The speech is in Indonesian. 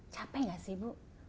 capek gak sih bu